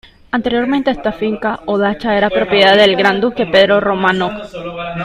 Anteriormente esta finca o dacha era propiedad del Gran Duque Pedro Románov.